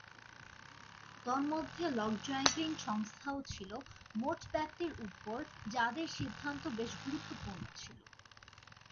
তন্মধ্যে log driving সংস্থাও ছিল, মোট ব্যাপ্তির ওপর যাদের সিদ্ধান্ত বেশ গুরুত্বপূর্ণ ছিল।